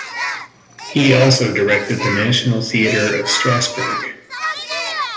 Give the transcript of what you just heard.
He also directed the National Theatre of Strasbourg.